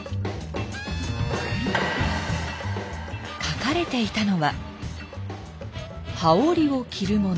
書かれていたのは「羽織を着る者」。